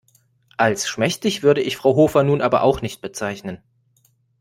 Als schmächtig würde ich Frau Hofer nun aber auch nicht bezeichnen.